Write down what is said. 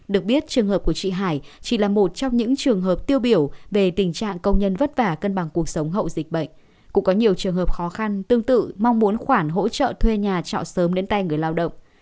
được biết trường hợp của chị hải chỉ là một trong những trường hợp tiêu biểu về tình trạng công nhân vất vả cân bằng cuộc sống hậu dịch bệnh cũng có nhiều trường hợp khó khăn tương tự mong muốn khoản hỗ trợ thuê nhà trọ sớm đến tay người lao động